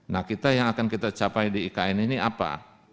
nah kita yang akan kita capai di ikn ini apa